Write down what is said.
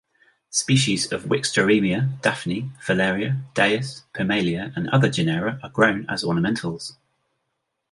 Species of "Wikstroemia", "Daphne", "Phaleria", "Dais", "Pimelea" and other genera are grown as ornamentals.